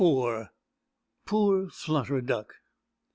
POOR FLUTTER DUCK.